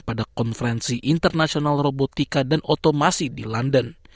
pada konferensi internasional robotika dan otomasi di london